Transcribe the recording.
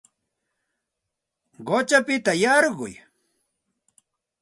Quchapita yarquy